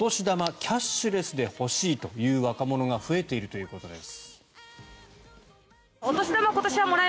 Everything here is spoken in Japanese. キャッシュレスで欲しいという若者が増えているということです。